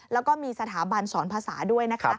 แล้วก็มีสถาบันสอนภาษาด้วยนะคะ